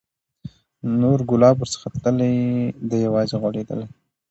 نور ګلاب ورڅخه تللي، دی یوازي غوړېدلی